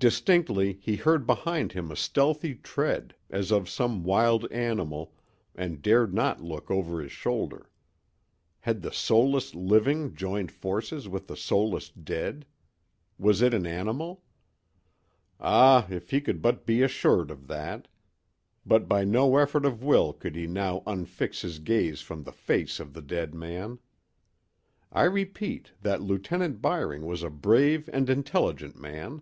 Distinctly he heard behind him a stealthy tread, as of some wild animal, and dared not look over his shoulder. Had the soulless living joined forces with the soulless dead?—was it an animal? Ah, if he could but be assured of that! But by no effort of will could he now unfix his gaze from the face of the dead man. I repeat that Lieutenant Byring was a brave and intelligent man.